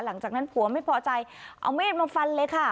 หลังจากนั้นผัวไม่พอใจเอามีดมาฟันเลยค่ะ